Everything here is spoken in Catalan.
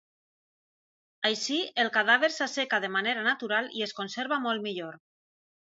Així, el cadàver s'asseca de manera natural i es conserva molt millor.